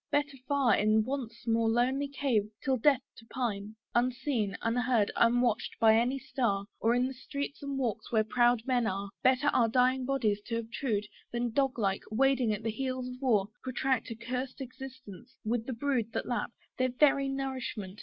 better far In Want's most lonely cave till death to pine, Unseen, unheard, unwatched by any star; Or in the streets and walks where proud men are, Better our dying bodies to obtrude, Than dog like, wading at the heels of war, Protract a curst existence, with the brood That lap (their very nourishment!)